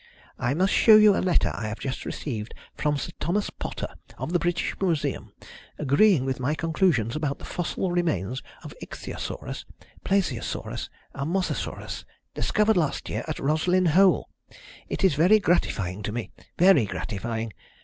I must show you a letter I have just received from Sir Thomas Potter, of the British Museum, agreeing with my conclusions about the fossil remains of Ichthyosaurus, Plesiosaurus, and Mosasaurs, discovered last year at Roslyn Hole. It is very gratifying to me; very gratifying.